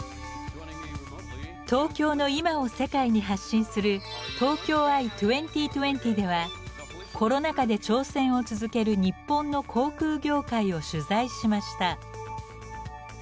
東京の今を世界に発信するコロナ禍で挑戦を続ける日本の航空業界を取材しました。